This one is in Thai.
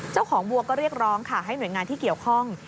วัวก็เรียกร้องค่ะให้หน่วยงานที่เกี่ยวข้อง